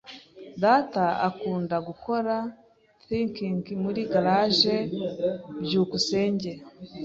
Data akunda gukora tinking muri garage. byukusenge